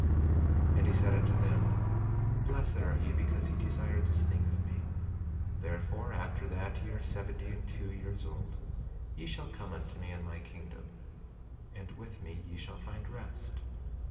28:3 And he said unto them: Blessed are ye because ye desired this thing of me; therefore, after that ye are seventy and two years old ye shall come unto me in my kingdom; and with me ye shall find rest.